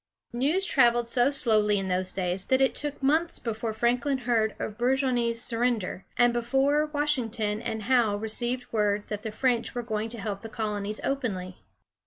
News traveled so slowly in those days that it took months before Franklin heard of Burgoyne's surrender, and before Washington and Howe received word that the French were going to help the colonies openly.